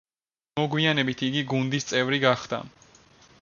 მოგვიანებით იგი გუნდის წევრი ხდება.